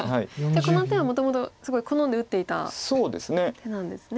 じゃあこの手はもともとすごい好んで打っていた手なんですね。